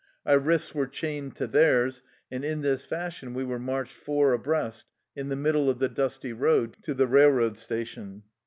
Our wrists were chained to theirs, and in this fashion we were marched four abreast, in the middle of the dusty road, to the railroad sta tion.